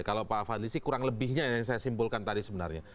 kalau pak fadli sih kurang lebihnya yang saya simpulkan tadi sebenarnya